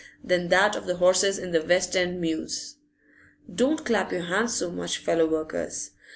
than that of the horses in the West end mews. Don't clap your hands so much, fellow workers.